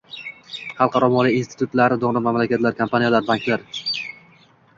xalqaro moliya institutlari, donor mamlakatlar, kompaniyalar, banklar